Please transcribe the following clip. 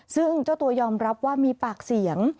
ซึ่งเจ้าตัวยอมรับว่ามีปากเสียง